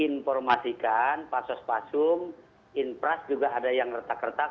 diinformasikan pasos pasum infras juga ada yang retak retak